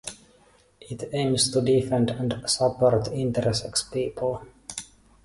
It aims to defend and support intersex people.